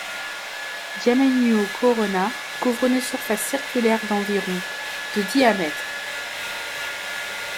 Dyamenyuo Corona couvre une surface circulaire d'environ de diamètre.